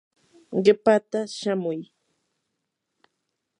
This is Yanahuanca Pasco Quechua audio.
qipaata shamuy.